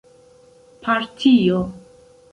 partio